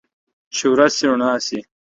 چې ورځ شي نو رڼا شي، چې شپه شي نو تياره شي.